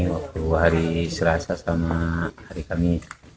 waktu hari selasa sama hari kamis